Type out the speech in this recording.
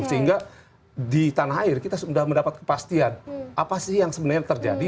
sehingga di tanah air kita sudah mendapat kepastian apa sih yang sebenarnya terjadi